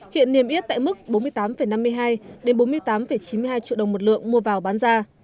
hiện niềm yết tại mức bốn mươi tám năm mươi hai bốn mươi tám chín mươi hai triệu đồng một lượng mua vào bán ra